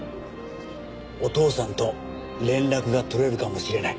お父さんと連絡が取れるかもしれない。